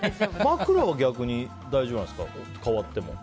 枕は逆に大丈夫なんですか変わっても。